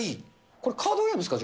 これ、カードゲームですか？